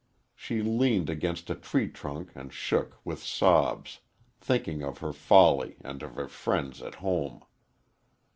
She leaned against a tree trunk and shook with sobs, thinking of her folly and of her friends at home.